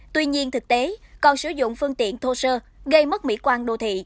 tuy nhiên thực tế còn sử dụng phương tiện thô sơ gây mất mỹ quan đô thị